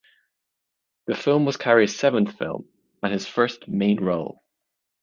The film was Carrey's seventh film and his first main role.